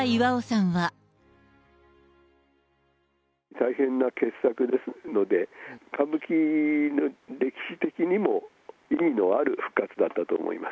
大変な傑作ですので、歌舞伎の歴史的にも意義のある復活だったと思います。